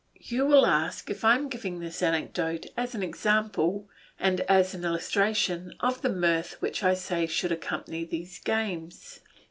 You will ask if I am giving this anecdote as an example, and as an illustration, of the mirth which I say should accompany these games.